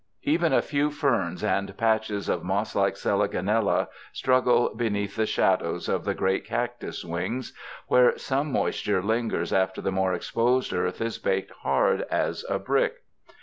Even a few ferns and patches of moss like selagi nella snuggle beneath the shadows of the great cactus wings where some moisture lingers after the more exposed earth is baked hard as a brick.